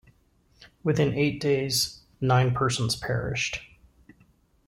Within eight days, nine persons perished.